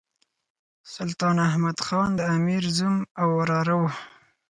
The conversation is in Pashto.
سلطان احمد خان د امیر زوم او وراره وو.